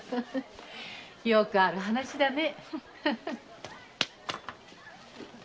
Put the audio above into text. よくある話だね。